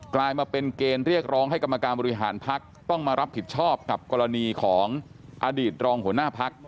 กลายมาเป็นเกณฑ์เรียกร้องให้กรรมการบริหารพักต้องมารับผิดชอบกับกรณีของอดีตรองหัวหน้าพัก